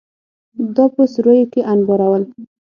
دا په سوریو کې انبارول.